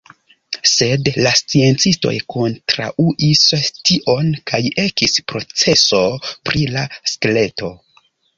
Sed la sciencistoj kontraŭis tion kaj ekis proceso pri la skeleto.